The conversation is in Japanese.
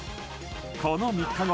この３日後